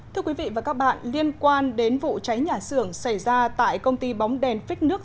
thưa quý vị và các bạn liên quan đến vụ cháy nhà xưởng xảy ra tại công ty bóng đèn phích nước